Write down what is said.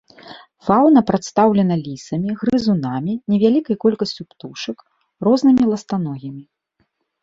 Фаўна прадстаўлена лісамі, грызунамі, невялікай колькасцю птушак, рознымі ластаногімі.